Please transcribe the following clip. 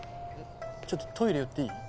ちょっとトイレ寄っていい？